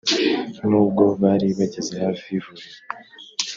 n’ubwo bari bageze hafi y’ivuriro